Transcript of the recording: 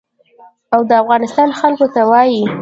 او د افغانستان خلکو ته وايي.